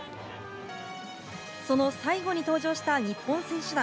その最後に登場した日本選手団。